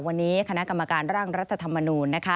วันนี้คณะกรรมการร่างรัฐธรรมนูล